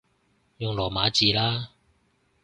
用羅馬字啦